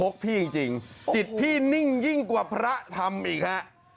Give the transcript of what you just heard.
พี่จริงจิตพี่นิ่งยิ่งกว่าพระทำอีกฮะ